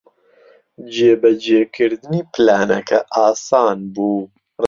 جێبەجێکردنی پلانەکە ئاسان بوو.